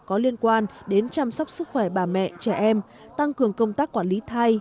có liên quan đến chăm sóc sức khỏe bà mẹ trẻ em tăng cường công tác quản lý thai